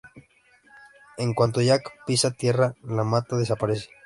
En cuanto Jack pisa tierra, la mata desaparece.